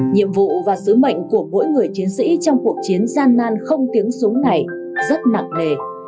nhiệm vụ và sứ mệnh của mỗi người chiến sĩ trong cuộc chiến gian nan không tiếng súng này rất nặng nề